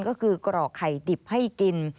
ก็คือกรอกไข่ดิบให้กิน